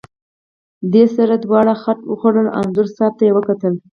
دې سره دواړو خټ وخوړه، انځور صاحب ته یې وکتل.